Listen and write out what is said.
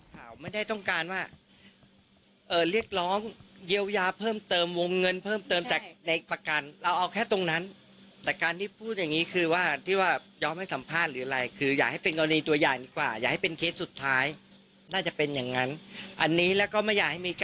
เหมือนที่พี่ชายเขาพูดเลย